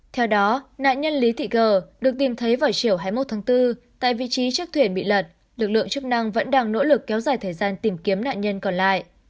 theo đó nạn nhân lý thị gờ được tìm thấy vào chiều hai mươi một tháng bốn tại vị trí chiếc thuyền bị lật lực lượng chức năng vẫn đang nỗ lực kéo dài thời gian tìm kiếm nạn nhân còn lại